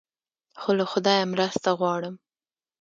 خو له خدایه مرسته غواړم.